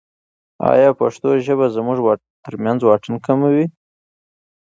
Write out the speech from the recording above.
ایا پښتو ژبه زموږ ترمنځ واټن کموي؟